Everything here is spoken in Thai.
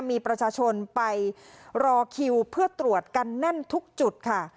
มีประชาชนไปรอคิวเพื่อตรวจกันแน่นทุกจุดค่ะ